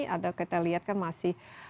atau kita lihat kan masih